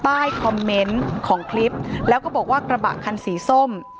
ใต้คอมเมนต์ของคลิปแล้วก็บอกว่ากระบะคันสีส้ม